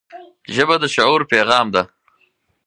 ژبه د شعور پیغام ده